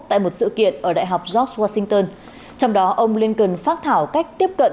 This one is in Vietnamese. tại một sự kiện ở đại học josh washington trong đó ông blinken phát thảo cách tiếp cận